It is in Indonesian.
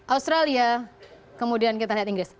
australia kemudian kita lihat inggris